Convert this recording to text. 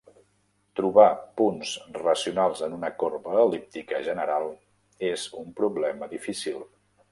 Trobar punts racionals en una corba el·líptica general és un problema difícil.